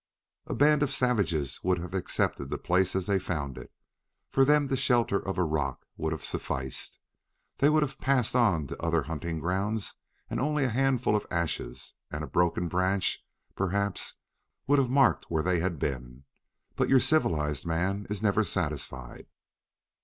A band of savages would have accepted the place as they found it; for them the shelter of a rock would have sufficed. They would have passed on to other hunting grounds and only a handful of ashes and a broken branch, perhaps, would have marked where they had been. But your civilized man is never satisfied.